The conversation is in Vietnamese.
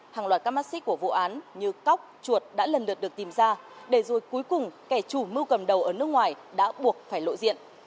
hàng loạt các mắt xích của vụ án như cóc chuột đã lần lượt được tìm ra để rồi cuối cùng kẻ chủ mưu cầm đầu ở nước ngoài đã buộc phải lộ diện